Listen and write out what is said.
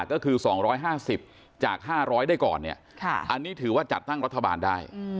ก็คือ๒๕๐จาก๕๐๐ได้ก่อนเนี่ยอันนี้ถือว่าจัดตั้งรัฐบาลได้